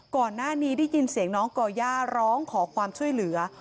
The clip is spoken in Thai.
ก่อนหน้านี้ได้ยินเสียงน้องก่อย่าร้องขอความช่วยเหลือ